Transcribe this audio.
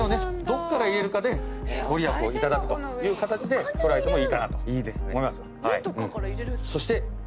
どっから入れるかでご利益を頂くという形で捉えてもいいかなと思います。